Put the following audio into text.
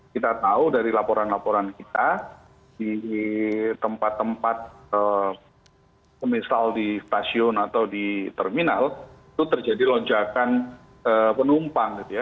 kita tahu dari laporan laporan kita di tempat tempat misal di stasiun atau di terminal itu terjadi lonjakan penumpang gitu ya